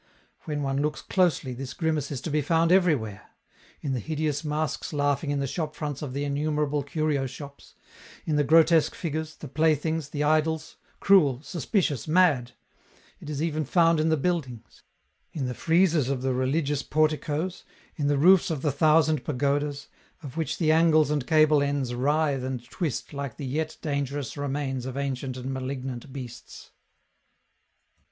When one looks closely, this grimace is to be found everywhere: in the hideous masks laughing in the shop fronts of the innumerable curio shops; in the grotesque figures, the playthings, the idols, cruel, suspicious, mad; it is even found in the buildings: in the friezes of the religious porticoes, in the roofs of the thousand pagodas, of which the angles and cable ends writhe and twist like the yet dangerous remains of ancient and malignant beasts.